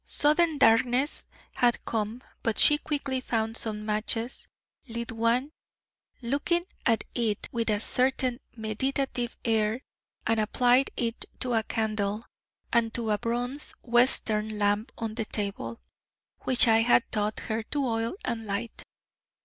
Sudden darkness had come, but she quickly found some matches, lit one, looking at it with a certain meditative air, and applied it to a candle and to a bronze Western lamp on the table, which I had taught her to oil and light.